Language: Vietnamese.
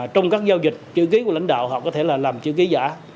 trong các giao dịch chữ ký của lãnh đạo họ có thể là làm chữ ký giả